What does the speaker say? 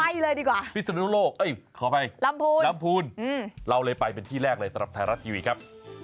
ไปเลยดีกว่าลำพูนเราเลยไปเป็นที่แรกเลยสำหรับไทยรัฐทีวีครับ